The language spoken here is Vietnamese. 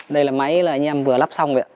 đây là máy là anh em vừa lắp xong vậy ạ